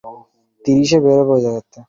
তিনি মাদায়েন থেকে বেরিয়ে গেলেন।